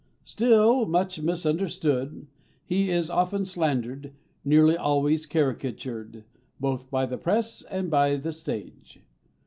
Still much misunderstood, he is often slandered, nearly always caricatured, both by the press and by the stage.